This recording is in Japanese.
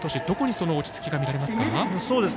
どこにその落ち着きが見られますか？